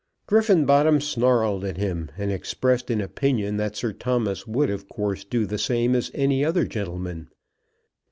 Griffenbottom snarled at him, and expressed an opinion that Sir Thomas would of course do the same as any other gentleman.